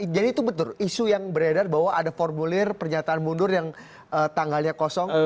jadi itu betul isu yang beredar bahwa ada formulir pernyataan mundur yang tanggalnya kosong